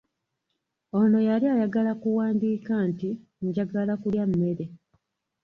Ono yali ayagala kuwandiika nti njagala kulya mmere.